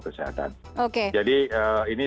kesehatan jadi ini